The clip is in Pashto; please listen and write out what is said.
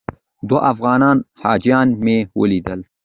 دوه افغان حاجیان مې ولیدل.